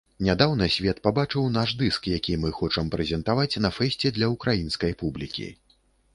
Нядаўна свет пабачыў наш дыск, які мы хочам прэзентаваць на фэсце для ўкраінскай публікі.